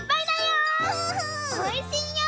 おいしいよ。